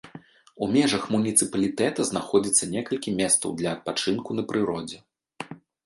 У межах муніцыпалітэта знаходзіцца некалькі месцаў для адпачынку на прыродзе.